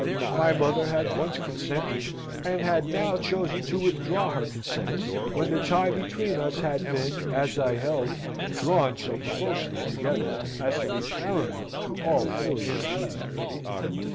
My mother had once consented, and had now chosen to withdraw her consent, when the tie between us had been, as I held, drawn so closely together, as to be paramount to all filial duty.